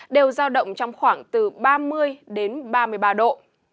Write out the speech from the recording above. đều giao động trong khoảng từ ba mươi đến ba mươi ba độ